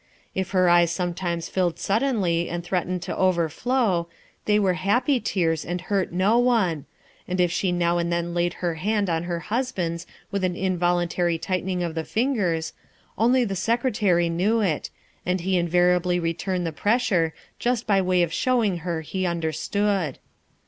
If her eyes sometimes filled suddenly and threatened to overflow, they were happy tears and hurt no one, and if she now and then laid her hand on her husband's with an involuntary tighten ing of the fingers, only the Secretary knew it, and he invariably returned the pressure, just by way of showing her he understood.